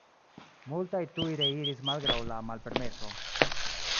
Multaj tuj reiris malgraŭ la malpermeso.